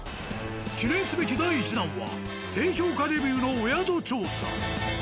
記念すべき第１弾は低評価レビューのお宿調査。